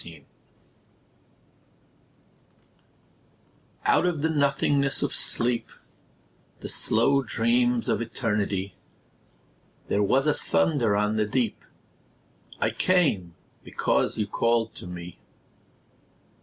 The Call Out of the nothingness of sleep, The slow dreams of Eternity, There was a thunder on the deep: I came, because you called to me.